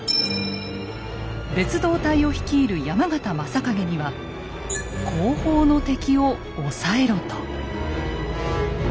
別動隊を率いる山県昌景には「後方の敵を抑えろ」と。